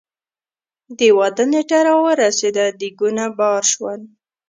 د واده نېټه را ورسېده ديګونه بار شول.